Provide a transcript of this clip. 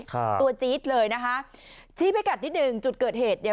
ค่ะตัวจี๊ดเลยนะคะชี้ให้กัดนิดหนึ่งจุดเกิดเหตุเนี่ย